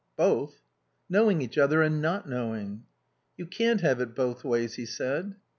"Both?" "Knowing each other and not knowing." "You can't have it both ways," he said.